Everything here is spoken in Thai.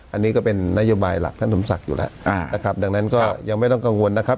อันนี้ก็เป็นนโยบายหลักท่านสมศักดิ์อยู่แล้วนะครับดังนั้นก็ยังไม่ต้องกังวลนะครับ